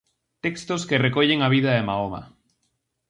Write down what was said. Textos que recollen a vida de Mahoma.